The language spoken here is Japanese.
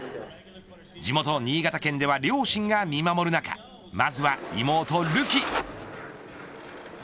地元新潟県では両親が見守る中まずは妹、るき。